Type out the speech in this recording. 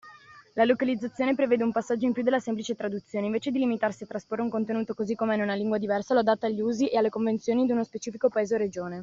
La localizzazione prevede un passaggio in più della semplice traduzione: invece di limitarsi a trasporre un contenuto così com’è in una lingua diversa, lo adatta agli usi e alle convenzioni di uno specifico Paese o regione.